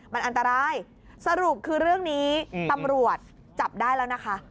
มันอันตรายสรุปคือเรื่องนี้ตำรวจจับได้แล้วนะคะ